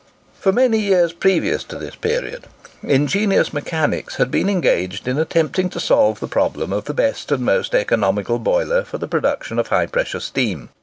For many years previous to this period, ingenious mechanics had been engaged in attempting to solve the problem of the best and most economical boiler for the production of high pressure steam.